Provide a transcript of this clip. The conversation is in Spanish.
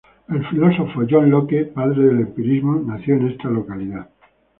El filósofo John Locke, padre del empirismo, nació en esta localidad.